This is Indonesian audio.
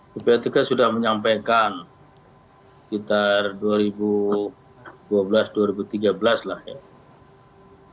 ppatk sudah menyampaikan sekitar dua ribu dua belas dua ribu tiga belas lah ya